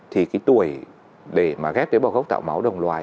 thì cái tuổi để mà ghép tế bào gốc tạo máu đồng loài